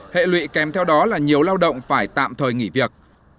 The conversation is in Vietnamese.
hệ lụy kèm theo đó là nhiều lao động phải tạm thời nghỉ việc